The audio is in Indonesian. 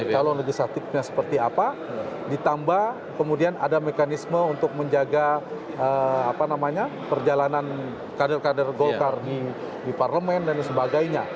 calon legislatifnya seperti apa ditambah kemudian ada mekanisme untuk menjaga perjalanan kader kader golkar di parlemen dan sebagainya